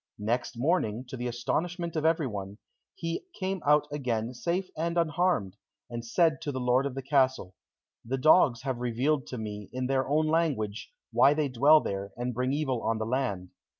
Next morning, to the astonishment of everyone, he came out again safe and unharmed, and said to the lord of the castle, "The dogs have revealed to me, in their own language, why they dwell there, and bring evil on the land.